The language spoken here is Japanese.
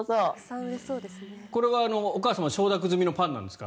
これはお母さま承諾済みのパンなんですか？